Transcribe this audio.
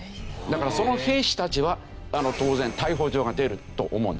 だからその兵士たちは当然逮捕状が出ると思うんですね。